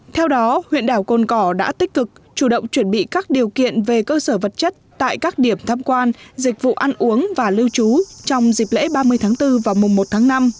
theo đó huyện đảo cồn cỏ đã tích cực chủ động chuẩn bị các điều kiện về cơ sở vật chất tại các điểm thăm quan dịch vụ ăn uống và lưu trú trong dịp lễ ba mươi tháng bốn và mùa một tháng năm